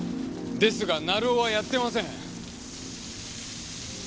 ですが成尾はやってません！